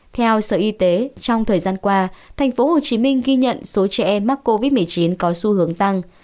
theo sở y tế trong thời gian qua tp hcm ghi nhận số trẻ em mắc covid một mươi chín có xu hướng tăng